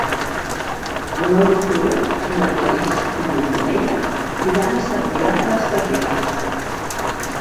El nou d'octubre na Thaís i na Mireia iran a Cervià de les Garrigues.